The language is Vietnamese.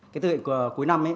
cái thực hiện cuối năm